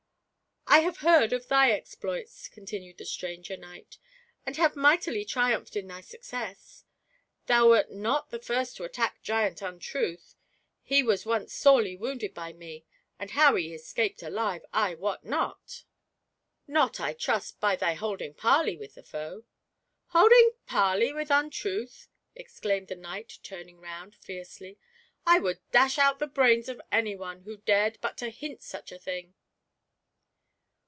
" I have heard of thy exploits," continued the stranger knight, "and have mightily triumphed in thy success. Thou wert not the first to attack Giant Untruth* he was once sorely woimded by me, and how he escaped alive, I wot not !"" Not, I trust, by thy holding parley with the foe V* " Holding parley with Untruth 1 " exclaimed the knight, turning round fiercely; "I would dash out the brains of any one who dared but to hint such a thing